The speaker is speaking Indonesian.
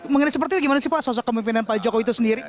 mengenai seperti itu gimana sih pak sosok kemimpinan pak jokowi itu sendiri